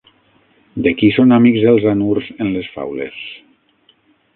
De qui són amics els anurs en les faules?